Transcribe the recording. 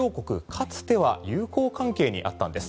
かつては友好関係にあったんです。